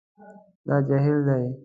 دا جهیل دی